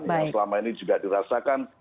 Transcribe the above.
yang selama ini juga dirasakan